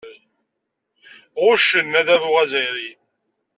Ɣuccen adabu azzayri.